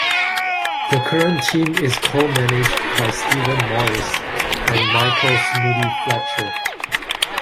The current team is co-managed by Steven Morris and Michael 'Smithy' Fletcher.